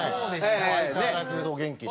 相変わらずお元気で。